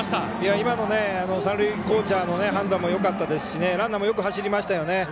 今の、三塁コーチャーの判断もよかったですしランナーもよく走りましたよね。